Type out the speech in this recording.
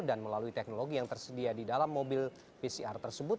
melalui teknologi yang tersedia di dalam mobil pcr tersebut